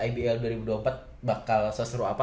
ibl dua ribu dua puluh empat bakal seseru apa